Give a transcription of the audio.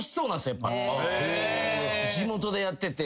地元でやってて。